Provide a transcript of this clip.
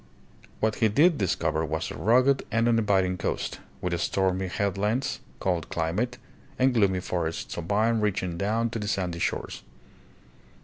What he did discover was a rugged and uninviting coast, with stormy head lands, cold climate, and gloomy forests of pine reaching down to the sandy shores.